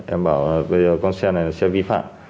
em bảo là bây giờ con xe này là xe vi phạm